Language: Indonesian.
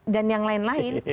dan yang lain lain